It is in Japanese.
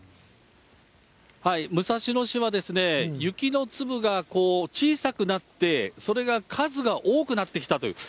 武蔵野市は、雪の粒が小さくなって、それが数が多くなってきたという。